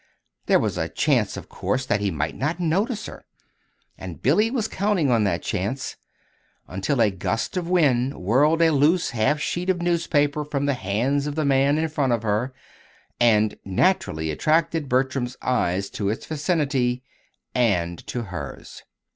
There was a chance, of course, that he might not notice her; and Billy was counting on that chance until a gust of wind whirled a loose half sheet of newspaper from the hands of the man in front of her, and naturally attracted Bertram's eyes to its vicinity and to hers.